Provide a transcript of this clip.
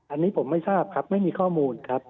อันนี้ผมไม่ทราบครับไม่มีข้อมูลครับ